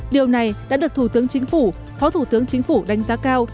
điều này đã được thủ tướng chính phủ phó thủ tướng chính phủ đánh giá cao